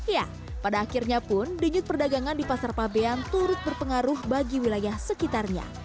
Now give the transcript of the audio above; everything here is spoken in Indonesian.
ya pada akhirnya pun denyut perdagangan di pasar pabean turut berpengaruh bagi wilayah sekitarnya